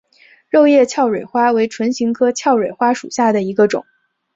肉叶鞘蕊花为唇形科鞘蕊花属下的一个种。